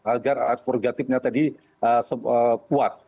agar prerogatifnya tadi kuat